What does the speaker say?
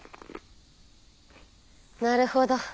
なるほど。